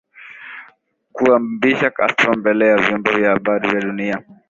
kumuaibisha Castro mbele ya vyombo vya habari vya dunia